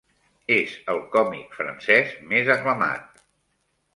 És el còmic francès més aclamat.